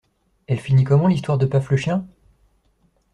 Elle finit comment l'histoire de Paf le chien?